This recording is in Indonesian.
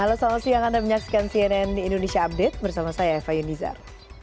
halo selamat siang anda menyaksikan cnn indonesia update bersama saya eva yunizar